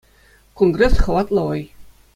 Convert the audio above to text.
Конгресс — хӑватлӑ вӑй.